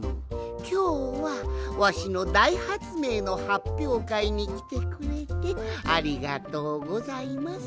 きょうはわしのだいはつめいのはっぴょうかいにきてくれてありがとうございます。